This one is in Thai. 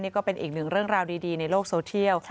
ก็เป็นอีกหนึ่งเรื่องราวดีในโลกโซเทียล